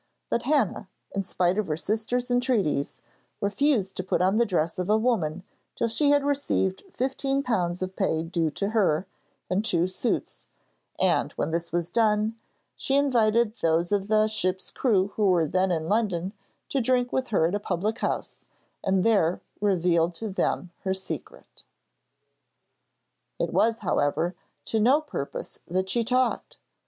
But Hannah, in spite of her sister's entreaties, refused to put on the dress of a woman till she had received £15 of pay due to her, and two suits; and when this was done, she invited those of the ship's crew who were then in London to drink with her at a public house, and there revealed to them her secret. [Illustration: THE SAILORS DRINK THE HEALTH OF AMAZON SNELL] It was, however, to no purpose that she talked.